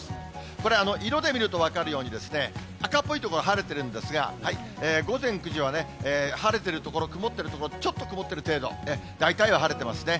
これ、色で見ると分かるように、赤っぽい所は晴れてるんですが、午前９時は晴れてる所、曇ってる所、ちょっと曇ってる程度、大体は晴れてますね。